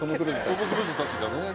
トム・クルーズたちがね。